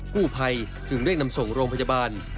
กู้ภัยจึงเร่งนำส่งโรงพยาบาล